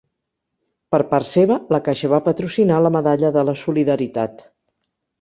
Per part seva, La Caixa va patrocinar la Medalla de la solidaritat.